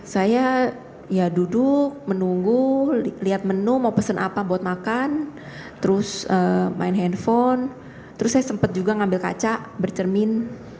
saya ya duduk menunggu lihat menu mau pesen apa buat makan terus main handphone terus saya sempat juga ngambil kaca bercermin